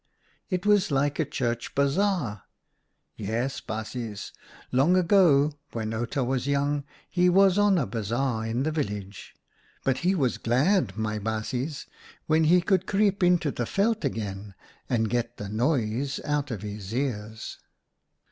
It was like a Church bazaar — yes, baasjes, long ago when Outa was young he was on a bazaar in the village, but he was glad, my baasjes, when he could creep into the veld again and get the noise out of his ears.